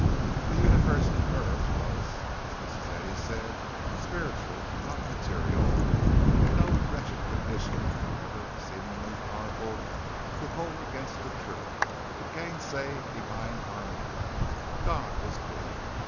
The universe to her was, as Mrs. Eddy said, spiritual, not material, and no wretched condition, however seemingly powerful, could hold against the truth could gainsay divine harmony. God was good.